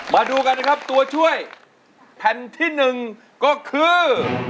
มาดูกันนะครับตัวช่วยแผ่นที่๑ก็คือ